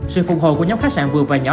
sự phục hồi của nhóm khách sạn vừa và nhỏ